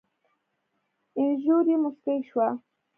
اينږور يې موسکۍ شوه.